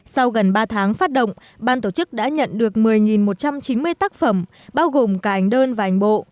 sau gần ba tháng phát động ban tổ chức đã nhận được một mươi một trăm chín mươi tác phẩm bao gồm cả ảnh đơn và ảnh bộ